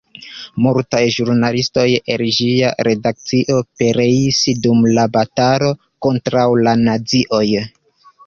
Multaj ĵurnalistoj el ĝia redakcio pereis dum la batalo kontraŭ la nazioj.